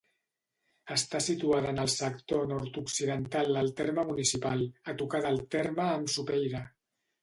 Està situada en el sector nord-occidental del terme municipal, a tocar del terme amb Sopeira.